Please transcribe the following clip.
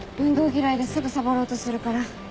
嫌いですぐサボろうとするから。